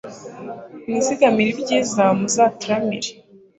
mwizigamire ibyiza, muzataramire